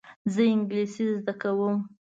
زه انګلیسي زده کوم.